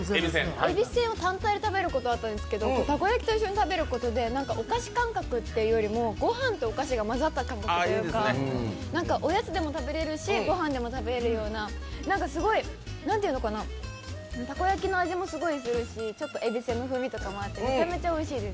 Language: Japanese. えびせんを単体で食べることはあったんですが、たこ焼きと一緒に食べることでお菓子感覚っていうよりもご飯とお菓子が混ざったたこ焼きというか、おやつでも食べれるし、ご飯でも食べれるしっていう、すごい、たこ焼きの味もすごいするし、ちょっとえびせんの風味とかもあってめちゃめちゃおいしいです。